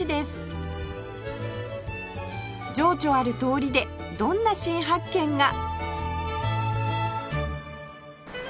情緒ある通りでどんな新発見が？